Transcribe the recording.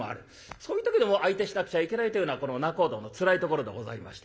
そういう時でも相手しなくちゃいけないというのがこの仲人のつらいところでございまして。